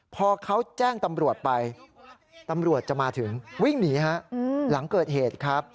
พอเขาแจ้งตำรวจไปตำรวจจะมาถึงวิ่งหนีฮะหลังเกิดเหตุครับ